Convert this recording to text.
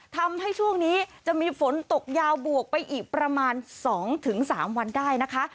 ทำให้ช่วงนี้จะมีฝนตกยาวบวกไปอีกประมาณ๒๓วันได้นะคะ